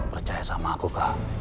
percaya sama aku kak